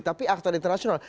tapi aktor internasional